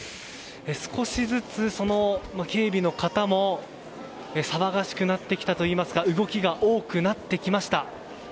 少しずつ警備の方も騒がしくなってきたといいますか動きが多くなってきました。